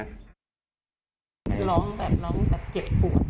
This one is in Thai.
ร้องแบบร้องแบบเจ็บปวด